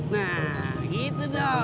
nah gitu dong